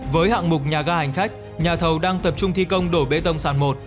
với hạng mục nhà ga hành khách nhà thầu đang tập trung thi công đổ bê tông sản một